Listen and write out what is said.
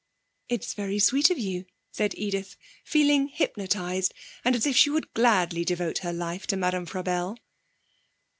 'It's very sweet of you,' said Edith, feeling hypnotised, and as if she would gladly devote her life to Madame Frabelle.